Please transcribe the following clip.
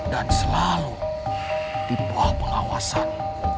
dan selalu dibuah pengawasan